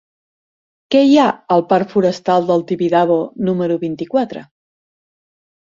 Què hi ha al parc Forestal del Tibidabo número vint-i-quatre?